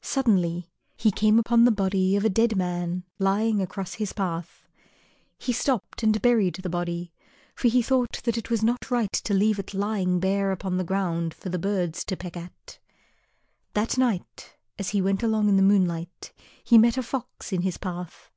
Suddenly he came upon the body of a dead man lying across his path. He stopped and buried the body, for he thought that it was not right to leave it lying bare upon the ground for the birds to peck at. That night as he went along in the moonlight he met a Fox in his path.